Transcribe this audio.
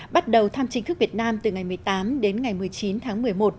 bắt đầu thăm chính thức việt nam từ ngày một mươi tám đến ngày một mươi chín tháng một mươi một